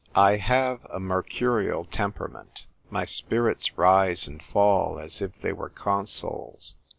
I have a mercurial temperament. My spirits rise and fall as if they were consols.